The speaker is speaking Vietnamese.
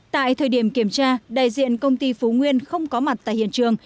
tại thời điểm kiểm tra đại diện công ty phú nguyên không có mặt tại hiện trường